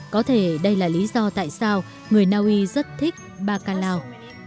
có thể đây là lý do tại sao người na uy rất thích bakalau